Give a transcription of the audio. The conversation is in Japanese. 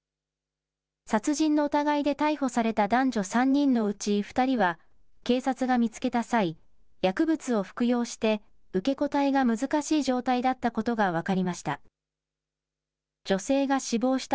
殺人の疑いで逮捕された男女３人のうち２人は、警察が見つけた際、薬物を服用して、受け答えが難しい状態だったことが分かりました。